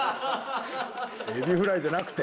エビフライじゃなくて？